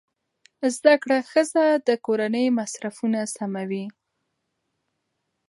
زده کړه ښځه د کورنۍ مصرفونه سموي.